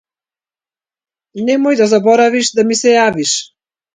Немој да заборавиш да ми се јавиш.